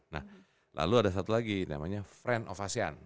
nah lalu ada satu lagi namanya friend of asean